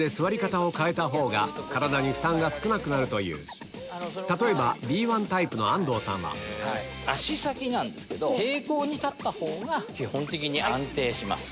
そして例えばＢ１タイプの安藤さんは足先なんですけど平行に立った方が基本的に安定します。